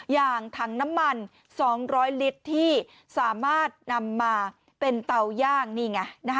อย่างถังน้ำมัน๒๐๐ลิตรที่สามารถนำมาเป็นเตาย่างนี่ไง